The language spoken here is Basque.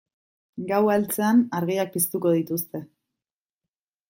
Gaua heltzean argiak piztuko dituzte.